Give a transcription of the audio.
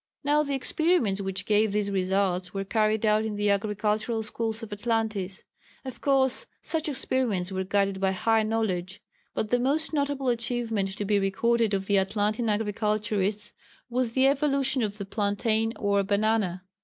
Now the experiments which gave these results were carried out in the agricultural schools of Atlantis. Of course such experiments were guided by high knowledge. But the most notable achievement to be recorded of the Atlantean agriculturists was the evolution of the plantain or banana.